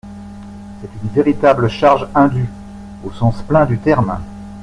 C’est une véritable charge indue, au sens plein du terme.